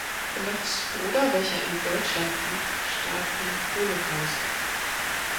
Blochs Bruder, welcher in Deutschland blieb, starb im Holocaust.